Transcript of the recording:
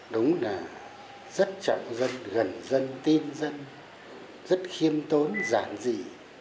đúng là rất trọng dân gần dân tin dân rất khiêm tốn giản dị